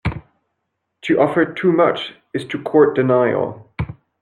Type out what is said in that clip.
To offer too much, is to court denial.